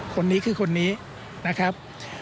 คนนี้คือคนนี้นะครับ